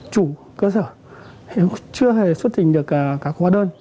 chủ cơ sở chưa hề xuất tình được các khoa đơn